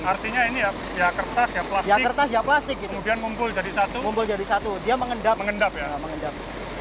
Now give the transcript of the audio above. artinya ini ya kertas ya plastik kemudian mumpul jadi satu dia mengendap